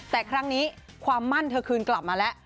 แต่ครั้งนี้ความมั่นเธอคืนกลับมาแล้ว